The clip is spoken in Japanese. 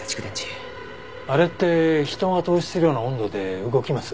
あれって人が凍死するような温度で動きます？